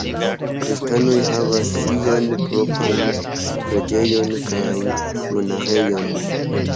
Kristanoj havas sian propran preĝejon kaj monaĥejon.